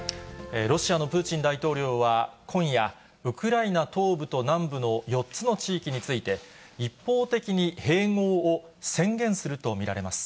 ロシアのプーチン大統領は今夜、ウクライナ東部と南部の４つの地域について、一方的に併合を宣言すると見られます。